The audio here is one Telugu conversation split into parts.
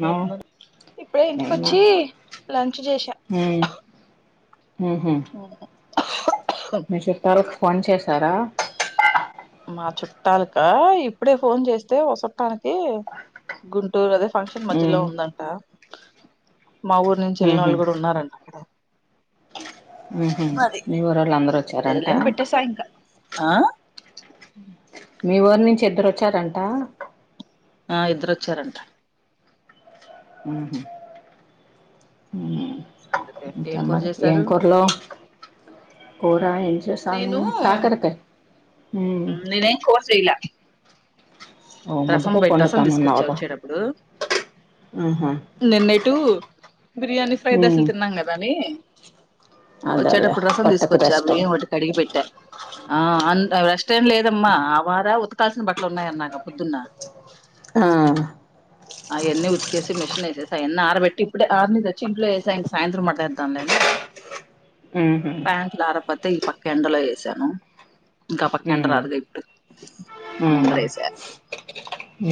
అవును ఇప్పుడే నేనా ఇంటికొచ్చి లంచ్ చేసా ఊహూ మీ చుట్టాలకి ఫోన్ చేశారా మా చుట్టాలకా ఇప్పుడే ఫోన్ చేస్తే ఒక చుట్టానికి గుంటూరు అదే ఫంక్షన్ మధ్యలో ఉమ్ ఉందంట మా ఊరు నుంచి వెళ్ళిన ఉహు వాళ్ళు కూడా ఉన్నారంట అక్కడ ఊహూ మరి మీ ఊరు వాళ్ళు అందరూ సరేలే వచ్చారంట అని పెట్టేసా ఇంకా ఆ మీ ఊరి నుంచి ఇద్దరు వచ్చారంట ఆ ఇద్దరొచ్చారంట ఊహూ హ్మ్ ఇంకే ఏం కూర మరి ఏం చేశారు కూరలు చేసాను నేను కాకరకాయ్ నేనేం కూర చేయలా రసం పెట్టా రసం వండుతానన్నావు తీసుకొచ్చా కదా వచ్చేటప్పుడు ఉహు నిన్న ఎటు బిర్యానీ ఫ్రైడ్ రైస్ ఉమ్ లు తిన్నాం కదా అని అదేలే వచ్చేటప్పుడు రసం పొట్టకి తీసుకొచ్చా అ రెస్ట్ బియ్యం ఒకటి కడిగి పెట్టా ఆ రెస్ట్ ఏం లేదమ్మా ఆ వార ఉతకాల్సిన బట్టలు ఉన్నాయ అన్నాగా పొద్దున్న ఆ అయన్ని ఉతికేసి మిషన్ వేసేసి అయన్ని ఆరబెట్టి ఇప్పుడే ఆరినియి తెచ్చి ఇంట్లో యేసా ఇంక సాయంత్రం మడతేద్దాంలే అని ఉహు ప్యాంట్లు ఆరకపోతే ఈ పక్క ఎండలో వేసాను ఇంకా ఆ పక్క ఎండ ఉమ్ రాదుగా ఇప్పుడు ఉమ్ ముందరేస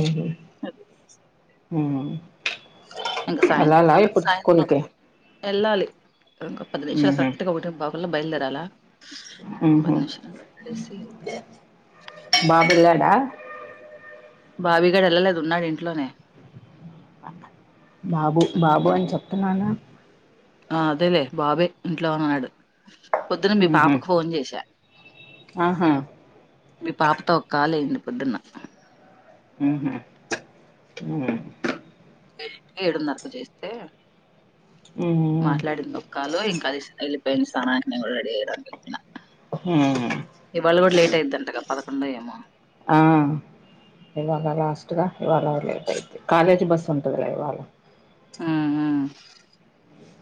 ఉహు అది ఉమ్ ఇంకా సాయంత్రం వెళ్ళాలా సంగతి ఇప్పుడు సాయంత్రం స్కూల్కి వెళ్ళాలి ఇంకో పది నిమిషాలు ఉహు కరెక్ట్గా ఒకటింపావు కల్లా బయలుదేరాల ఉహు పర్మిషన్ అడిగేసి వెళ్తా బాబు వెళ్లాడా బాబి గాడు వెళ్ళలేదు ఉన్నాడు ఇంట్లోనే బాబు బాబు ఉమ్. అని చెప్తున్నానా ఆ అదేలే బాబే ఇంట్లో ఉన్నాడు పొద్దున మీ ఉహు పాపకు ఫోన్ చేసా ఆహా మీ పాపతో ఒక కాలు అయ్యింది పొద్దున్న ఉహు మ్మ్ ఏ ఏడున్నరకు చేస్తే మాట్లాడింది ఒక్కాలు ఇంకా అదేసి వెళ్ళిపోయింది స్నానానికి నేను కూడా రెడీ అయిరా అని చెప్పిన హ్మ్ పెద్దంటగా పదకొండో ఏమో ఆ ఇవాళ లాస్ట్ గా ఇవాళ లేట్ అయిద్ది కాలేజీ బస్సు ఉంటదిలే ఇవాళ ఉమ్ ఉమ్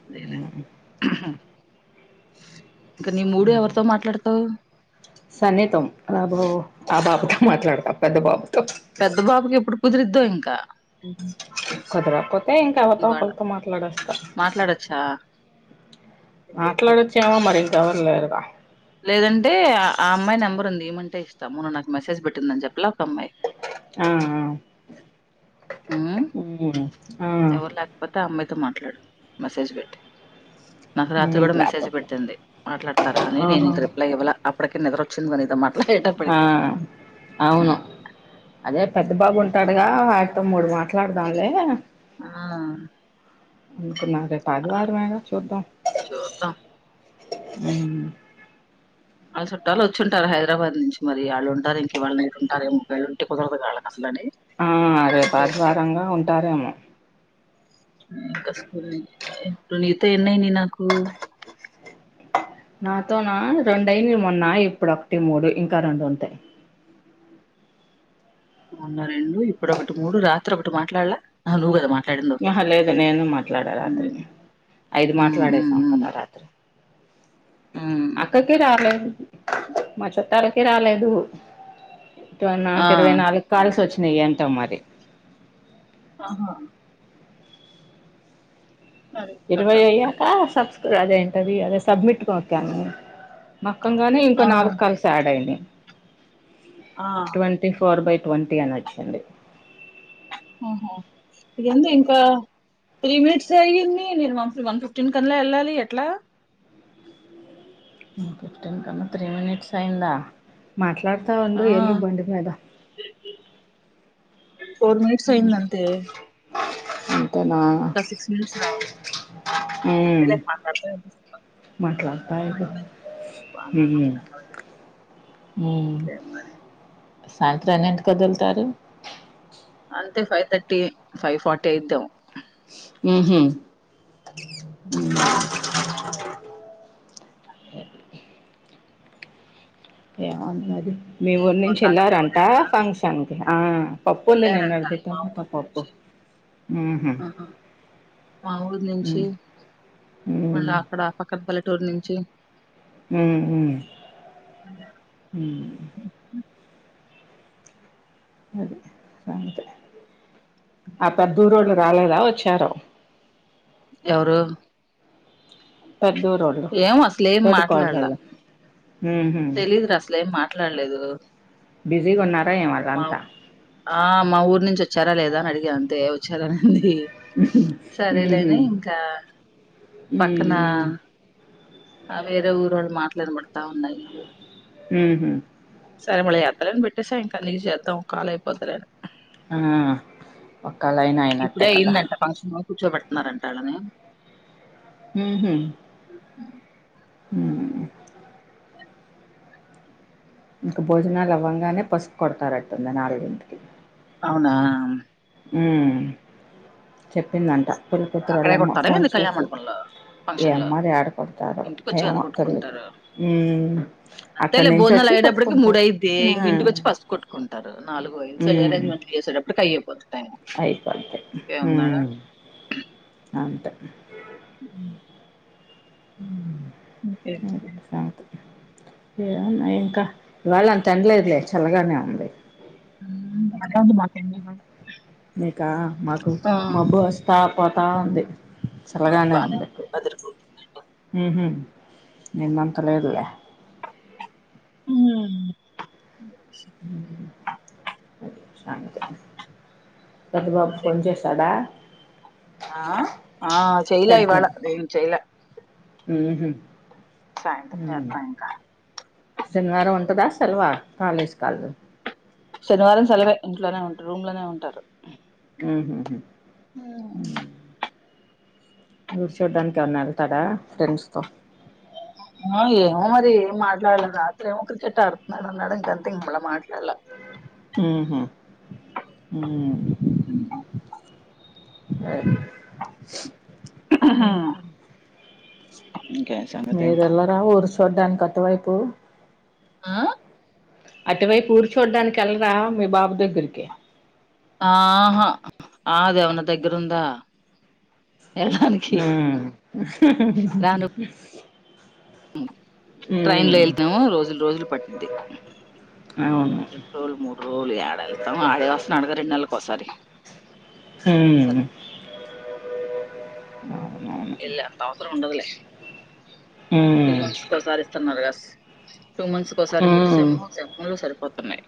అదేలే ఇంకా నీ మూడు ఎవరితో మాట్లాడుతావ్ సన్నీతో అబ్బో ఆ బాబుతో మాట్లాడతావ్ పెద్ద బాబు పెద్ద బాబుకి ఎప్పుడు కుదిరిద్దో ఇంకా కుదరకపోతే ఇంకా ఎవళ్తో ఇవాళ ఒకళ్తో మాట్లాడేస్తా మాట్లాడొచ్చా ఇదైతే మాట్లాడొచ్చు ఏమో మరి ఇంకా ఎవరులేరా లేదంటే ఆ అమ్మాయి నెంబర్ ఉంది ఇయమంటే ఇస్తా మొన్న నాకు మెసేజ్ పెట్టిందని చెప్పలే ఒక అమ్మాయ్ అ ఆ ఉమ్ ఉమ్ ఆ తో మాట్లాడు మెస్సేజ్ పెట్టి నాకు రాత్రి ఉమ్ కూడా మెసేజ్ లేకపోతే పెట్టింది మాట్లాడతారా అని నేను ఆహా ఇంక రిప్లై ఇవ్వల అప్పటికే నిదర వచ్చింది గా నీతో మాట్ ఆ అవును అదే పెద్ద బాబు ఉంటాడుగా ఆయప్ప తో మూడు మా మాట్లాడుదాంలే ఆ! అనుకున్నా రేపు ఆ! ఆదివారమేగా చూద్దాం చూద్దాం. ఊమ్ ఆళ్ళ చుట్టాలు వచ్చుంటారు హైదరాబాద్ నుంచి మరి వాళ్ళుంటారు ఇంక ఇవాళ నైట్ ఉంటారు ఏమో వాల్లుంటే కుదరదు కాదా ఆ రేపు ఆదివారం గా ఉంటారేమో ఇంకా స్కూల్ ఇప్పుడు నీతో ఎన్నయినాయి నాకు నాతో నా రెండయినాయి మొన్న ఇప్పుడు ఒకటి మూడు ఇంకా రెండు ఉంటాయ్ అవున్న రెండు ఇప్పుడుొ ఒకటి మూడు రాత్రి ఒకటి మాట్లాడలా నువ్వు కదా మాట్లా ఆహ లేదు నేను మాట్లాడా రాత్రి హ్మ్. ఐదు హ్మ్. హ్మ్. మాట్లాడేశాం హ్మ్. కదా రాత్రి హ్మ్. అక్కకి రాలె మా చుట్టాలకి రాలేదు [unintelligible] ఆ! నాకు ఇరవై నాలుగు కాల్స్ వచ్చినాయ్ ఎంతో మరి ఆహా అది కథ. ఇరవై అయ్యాక సబ్స్ అదేంటది సబ్మిట్ కొనొక్కాను [unintelligible] ఇంకో ఆ! నాలుగు కాల్స్ యాడ్ అయినాయ్ ఆ! ట్వంటీ ఫోర్ బై ట్వంటీ అనొచ్చింది ఊహొ ఇందేందో ఇంకా త్రీమినిడ్సే అయ్యంది నేను వన్ ఫిఫ్టీన్ కన్నా ఎళ్ళాలి ఎట్లా ఫిఫ్టీన్ కన్నా త్రీ మినిట్స్ అయిందా మాట్లాడు వెళ్తావందో ఆ ఏందో బండిమీద ఫోర్ మనిట్స్ అయింది అంతే అంతేనా ఇంకా సిక్స్ మినిట్స్ రావాల గదా అంతేలె మాట్లా [unintelligible] మాట్లాడతా అయిపా [inaudible] మూ వెళ్ళాలి సాయంత్రాన్ని ఎంతకొదులుతారు అంతే ఫైవ్ థర్టీ ఫైవ్ ఫార్టీ అయిద్దేమో ఊహు ఏమో అది మది మీ ఏం ఊరు కూర నుంచి కాకరకాయ ఎళ్ళారంట ఒకటేనా ఫంక్షన్ కి ఆ పప్పు ఉంది వెళ్ళారంట నిన్నడిది మా టమాటా ఊరు పప్పు నుంచి ఊహు మా ఊరు నుంచి ఉమ్ మళ్ళా అక్కడ ఆపక్కనపల్లెటూరు నుంచి ఊహు ఊ అది సంగతి ఆ పెద్దూరుళ్ళూ రాలేదా వచ్చారో ఎవరు పెద్దూరోళ్ళు ఏం అసలేం తోటి కాల్ మాట్లాడల్ల కలుదాం ఉహు తెలీదు ర అసలేం మా మాట్లాల్లేదు బిజీగా ఉన్నారా ఏమి వాళ్ళంత ఆ మా ఊరు నుంచి వచ్చారా లేదా అని అడిగా అంతే వచ్చారాని వుంది సరేలే అని ఇంకా ఊ ఊ అదే వేరే ఊరొళ్ళు మాట్లుఇనబడతా ఉన్నాయి ఊహు సరే మళ్ళో ఎత్తాలే అని పెట్టేసా ఇంకా నీక్ షేద్దాం కాల్ అయిపోతలే అని ఆ ఒక లైన్ అయినట్టే కదా కూర్చోబెట్నారంట ఆళ్ళని ఉహు మ్ ఊ ఇంకా భోజనాలు అవ్వంగానే పసుపు కొడతారుట్టుందని నాలుగు ఇంటికి అవునా హ్మ్మ్ చెప్పిందంట పెళ్ళి కూతురు అక్కడే వాళ్ళమ్మ కొడతారా ఫోన్ ఏంది కళ్యాణ చేసి మండపంలో ఫంక్షన్ లో ఏమ్మరి ఏడ కుడతారో ఇంటికొచ్చి కదా ఏమో తెలీదు కొట్టుకుంటారు అక్కడి అంతేలే నుంచి బోజనాలు వచ్చి అయేటప్పటికి మూడు కొట్టుకుంటారు అయిద్ది ఉ ఇంక ఇంటికి వచ్చి ఫస్ట్ కొట్టుకుంటారు నాలుగు ఐదు అరేంజ్మెంట్ దిగేసేటప్పుడు కయ్యుమ్ అయిపోంత హుమ్ అంతే ఉమ్ హ్మ్మ్ అంతే సంగతి ఏన్నా ఇంకా ఇవాళ అంత ఎండలేదులే చల్లగానే ఉంది అదే అంది మా పిన్ని ఇవాళ మీకా మాకు మబ్బు వస్తా పోతా ఉంది మరి చలగానేే బానే ఉంది అదిరిపోతుందండి ఉహూ నిన్నంత లేదులే హ్మ్మ్ అ శాంత పెద్ద బాబు అదే ఫోన్ చేశాడా ఆ ఆ చేయలే ఇవాళ లేదు చేయలే ఉహూ సాయంత్రం చెత్తా ఇంక శనివారం ఉంటదా సెలవా కాలేజ్ కి హాల్ శనివారం సెలవే ఇంట్లోనే ఉంటారు రూమ్ లోనే ఉంటారు ఉహూ హు ఊ ఊరు చూడ్డానికేన్నా వెళ్తాడా ఫ్రెండ్స్ తో ఆ ఏమో మరి ఏం మాట్లాడలే రాత్రి ఏమో క్రికెట్ ఆడుతున్నాడు అన్నాడు ఇంకంత ఇంకేం మాట్లాడలా అహా హ్మ్మ్ [inaudible] హా మీద ఎల్లర ఊరు చూడ్డానికి అటు వైపు ఆ అటువైపు ఊర్చూడ్డానికి వెళ్లరా మీ బాబు దగ్గరికి ఆహా ఆ దేవన్న దగ్గర ఉందా ఆ రాను ట్రైన్ లో వెళ్తాము రోజులు రోజులు పట్టిద్ది అవును రెండు రోజులు మూడు రోజులు ఏడ వెళ్తాం ఆడే వస్తుండాడుగా రెండు నెలలకి ఒకసారి హవునాయన సరిపోతుంది ఇల్ అంతవసరం ఉండదు లే టూ ఉమ్ మంత్స్ కొసారి ఇస్తన్నారు గా టూ మంత్స్ కోసారి ఉమ్ మిట్టిపంలో సరిపోతున్నాయి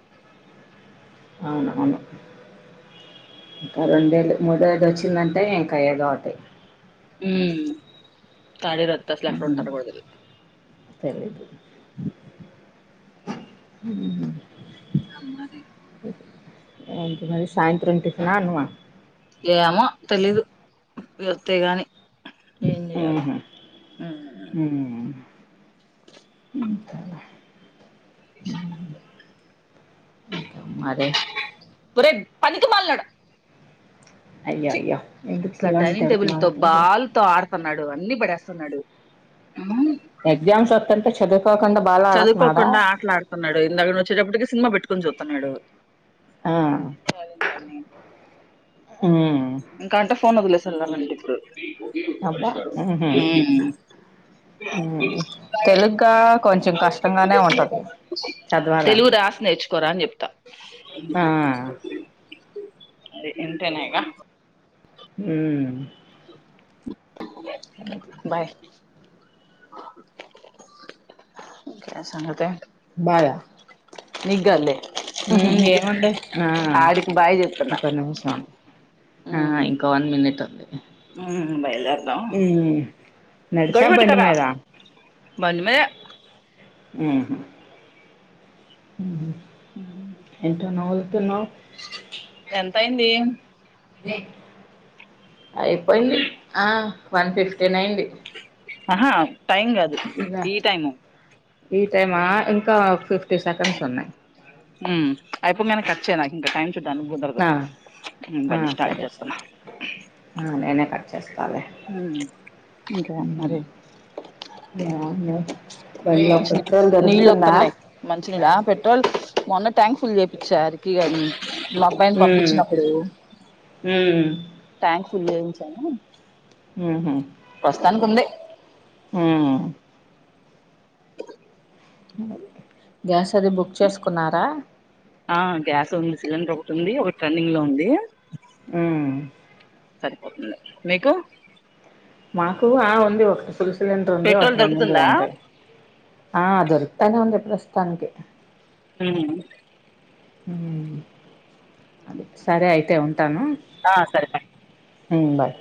అవును అన్నమే ఇంకా రెండేలు మూడ వేలు వచ్చిందంటే ఇంకాయ్యేదో ఒకటే హ తాడి రత్తస్లక్క ఉమ్ తబడుద హుమ్ [inaudible] అరి సాయంత్రం టిఫిన అన్నమా వస్తే కానీ ఏం చేయాల ఉహు ఉమ్ ఇా ఇంకా మరి ఒరేయ్ పనికిమాలినోడ అయ్యో అయ్యో ఎందుకు అసలా పిల్లోడిని డైనింగ్ టేబుల్ తిడుతున్నావ్ తో అట్లాగా బాల్ తో ఆడతా న్నాడు అన్ని బడెస్తున్నాడు హ్మ్ ఎగ్జామ్స్ వత్తుంటే చదు చదువుకోకుండా ఆటలాడుతున్నాడు ఇందాక నేను వచ్చేటప్పటికి సినిమా పెట్టుకొని చూతున్నాడు ఆ కానీ హ్మ్ పోన్ వదిలేసి ఏళ్లాలండీప్పుడు అబ్బా మ్మ్ హ్మ్ మ్మ్ తెలుగ్గా కొంచెం కష్టంగానే ఉంటది తెలుగు చదవాలంటే రాసి నేర్చుకోరా అని చెప్తా ఆ అరే ఇంటేనేగా హ్మ్ బాయ్ ఇంకేం సంగతే బాయా నీక్కాదులే హ్మ్ ఏముంది ఆ ఆడికి బాయ్ చెప్తున్నా ఒక్క నిమిషం ఆ ఇంకో వన్ మినిట్ ఉంది హ్మ్మ్ బయల్దేరుదాం ఉమ్ నడిచా గడి బండి పెట్టకరా మీద బండిమీదే మ్మ్ హ్మ్ మ్మ్ ఏంటే నవ్వుతున్నావ్ ఎంతయింది అయిపోయింది ఆ వన్ ఫిఫ్టీన్ అయింది ఆహా టైం కాదు ఇగ ఈ టైము ఈ టైమా ఇంకా ఫిఫ్టీ సెకండ్స్ ఉన్నాయ్ మ్మ్ అయిపోంగానే కట్ చేయి నాకింకా టైం చూడ్డానికి కుదరదు ఆ ఆ బండి స్టార్ట్ సరే చేతున్న సరే వకే ఇంకా మ్మ్ మరి [unintelligible] మంచిని నీళ్ళుొత్తున్నాయ్ మంచినీళ్ళు ఆ పెట్రోల్ మొన్న ట్యాంక్ ఫుల్ చేప్పిచ్చ అరికిగాని మా అబ్బాయిని ఉమ్ పంపించినప్పుడు ఉమ్ ట్యాంక్ ఫుల్ చేయించాను ప్రస్తుతానికి ఉంది హ్మ్మ్ గ్యాస్ అది బుక్ చేసుకున్నారా ఆ గ్యాస్ ఉంది సిలిండర్ ఒకటి ఉంది ఒక ట్రన్నింగ్లో ఉంది ఉమ్ సరిపోతుంది మీకు మాకు ఆ ఉంది ఒకటి ఫుల్ సిలిండర్ ఉంది వాటి పెట్రోల్ రన్నింగ్ గా దొరుకుతుందా ఉంటాయ్ ఆ దొరుకుతానే ఉంది ప్రస్తుతానికి హ్మ్ హ్మ్ అదే సరే అయితే ఉం ఆ సరే బయ్ హ్మ్ బాయ్